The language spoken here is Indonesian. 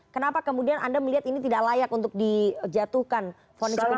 kenapa kemudian anda melihat ini tidak layak untuk dijatuhkan